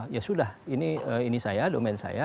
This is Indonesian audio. ya sudah ini saya domain saya